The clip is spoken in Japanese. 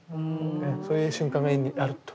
そういう瞬間が絵にあると。